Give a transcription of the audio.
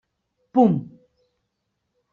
Pum!